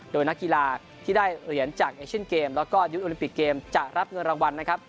โดยนักกีฬาที่ได้เหรียญจากเอเชียนเกมแล้วก็ยุทธ์โอลิมปิกเกมจะรับเงินรางวัลนะครับ